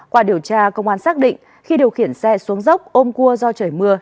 qua điều tra công an xác định khi điều khiển xe xuống dốc ôm cua do trời mưa